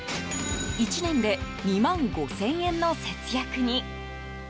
１年で２万５０００円の節約に。